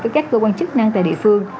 với các cơ quan chức năng tại địa phương